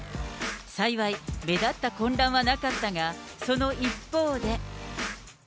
幸い、目立った混乱はなかったが、その一方で。